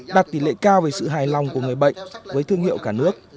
đạt tỷ lệ cao về sự hài lòng của người bệnh với thương hiệu cả nước